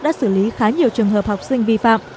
đã xử lý khá nhiều trường hợp học sinh vi phạm